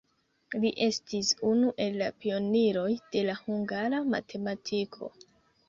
Li estis unu el la pioniroj de la hungara matematiko.